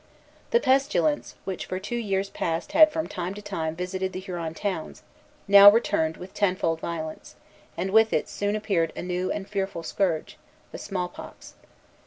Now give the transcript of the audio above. The pestilence, which for two years past had from time to time visited the Huron towns, now returned with tenfold violence, and with it soon appeared a new and fearful scourge, the small pox.